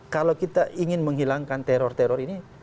kalau kita ingin menghilangkan teror teror ini